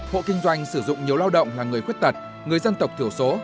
hộ kinh doanh sử dụng nhiều lao động là người khuyết tật người dân tộc thiểu số